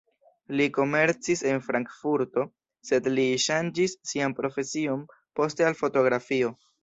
Li komercis en Frankfurto, sed li ŝanĝis sian profesion poste al fotografio.